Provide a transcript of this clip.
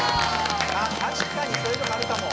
たしかにそういうところあるかも。